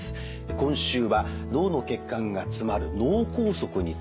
今週は脳の血管が詰まる脳梗塞について。